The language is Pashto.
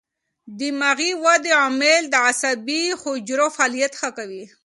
دماغي ودې عوامل د عصبي حجرو فعالیت ښه کوي.